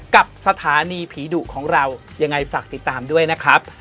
กับสถานีผีดุของเรายังไงฝากติดตามด้วยนะครับ